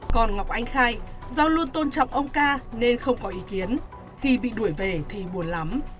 còn ngọc anh khai do luôn tôn trọng ông ca nên không có ý kiến khi bị đuổi về thì buồn lắm